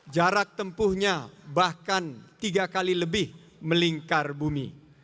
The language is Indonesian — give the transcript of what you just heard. jarak tempuhnya bahkan tiga kali lebih melingkar bumi